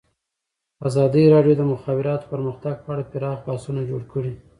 ازادي راډیو د د مخابراتو پرمختګ په اړه پراخ بحثونه جوړ کړي.